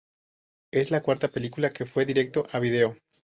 Es la cuarta película que fue directo a video.